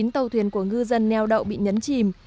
hai mươi chín tàu thuyền của ngư dân neo đậu bị nhấn chìm